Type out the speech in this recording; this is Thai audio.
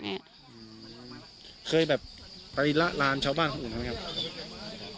อืมเคยไปละลานชาวบ้านของอุณหรือไหมครับ